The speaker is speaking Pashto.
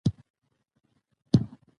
د مناظرې پایله روښانه نه وه.